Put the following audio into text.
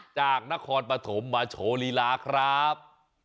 จากนครปฐมมาโชว์ลีลาครับ